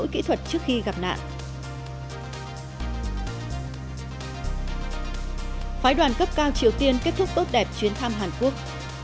khói đoàn cấp cao triều tiên kết thúc bước đẹp chuyến thăm hàn quốc